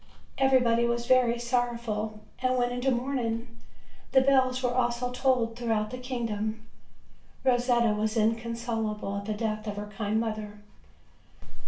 Everybody was very sorrow ful, and went into mourning; the bells were also tolled throughout the kingdom. Rosetta was inconsolable at the death of her kind mother.